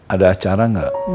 ada acara gak